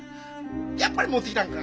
やっぱり持ってきたんか。